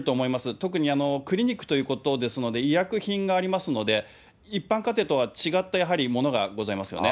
特にクリニックということですので、医薬品がありますので、一般家庭とは違ったものがございますよね。